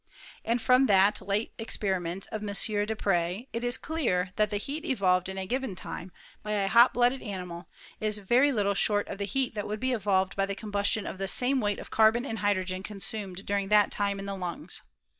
And from the Jate experiments of M. Dupretz it is clear that the heat evolved in a given lime, by a hot blooded animal, is very little short of the "heat that would be evolved by the combustion of the same weight of carbon and hydrogen consumed during that time in the lungs.